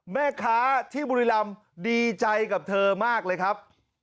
แม่ค้าที่บุรีรำดีใจกับเธอมากเลยครับ